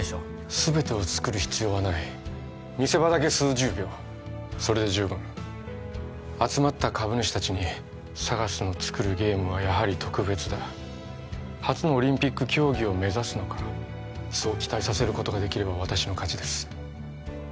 全てを作る必要はない見せ場だけ数十秒それで十分集まった株主達にＳＡＧＡＳの作るゲームはやはり特別だ初のオリンピック競技を目指すのかそう期待させることができれば私の勝ちです